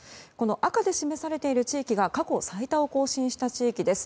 赤で示されている地域が過去最多を更新した地域です。